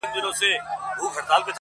ها ښکلې که هر څومره ما وغواړي_